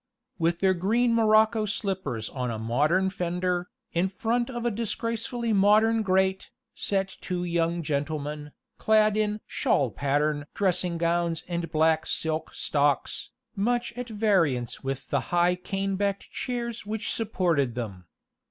With their green morocco slippers on a modern fender, in front of a disgracefully modern grate, sat two young gentlemen, clad in "shawl pattern" dressing gowns and black silk stocks, much at variance with the high cane backed chairs which supported them.